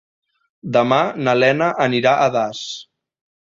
Demà na Lena anirà a Das.